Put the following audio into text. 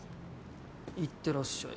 行ってらっしゃい。